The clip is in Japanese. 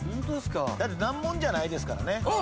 だって難問じゃないですからね。